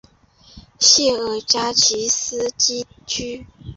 谢尔加奇斯基区。